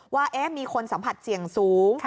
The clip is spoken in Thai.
ว่ามีคนสัมผัสเสี่ยงสูง